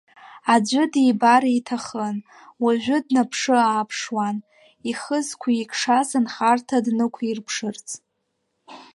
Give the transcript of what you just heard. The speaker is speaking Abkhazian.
Аӡәы дибар иҭахын, уажәы днаԥшы-ааԥшуан, ихы зқәикшаз анхарҭа днықәирԥшырц.